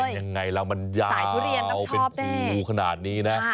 เป็นยังไงแล้วมันยาวเป็นคูขนาดนี้นะ